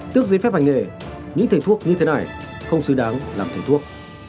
tước giấy phép hành nghề những thầy thuốc như thế này không xứng đáng làm thầy thuốc